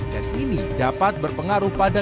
dan ini dapat berpengaruh pada